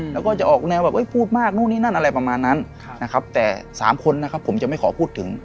แล้วก็จะออกแนวแบบพูดมากนู่นนี่นั่นอะไรประมาณนั้นนะครับแต่๓คนนะครับผมจะไม่ขอพูดถึง